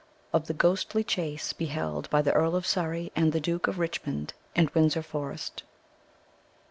Of the Ghostly Chase beheld by the Earl of Surrey and the Duke of Richmond in Windsor Forest.